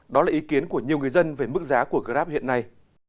đó là ý kiến của nhiều người dân về mức giá của grab hiện nay